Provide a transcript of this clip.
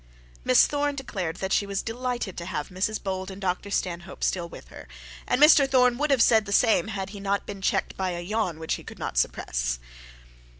Miss Thorne declared that she was delighted to have Mrs Bold and Dr Stanhope still with her; and Mr Thorne would have said the same, had he not been checked by a yawn, which he could not suppress.